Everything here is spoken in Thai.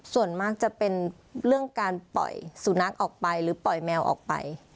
ส่วนมากจะเป็นเรื่องการปล่อยสุนัขออกไปหรือปล่อยแมวออกไป